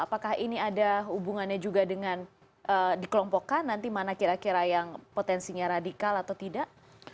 apakah ini ada hubungannya juga dengan dikelompokkan nanti mana kira kira yang potensinya radikal atau tidak